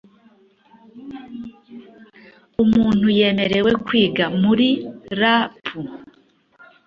umuntu yemererwe kwiga muri rp